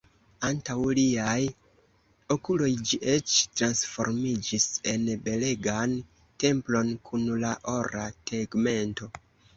Antaŭ iliaj okuloj ĝi eĉ transformiĝis en belegan templon kun la ora tegmento.